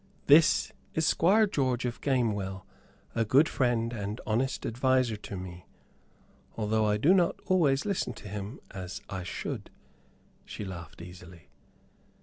"This is Squire George of Gamewell, a good friend and honest adviser to me, although I do not always listen to him as I should," she laughed, easily.